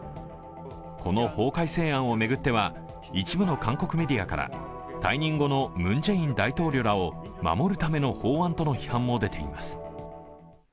この法改正案を巡っては、一部の韓国メディアから退任後のムン・ジェイン大統領らを守るための法案との批判も出ています。